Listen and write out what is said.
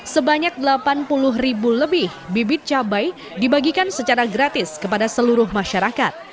sebanyak delapan puluh ribu lebih bibit cabai dibagikan secara gratis kepada seluruh masyarakat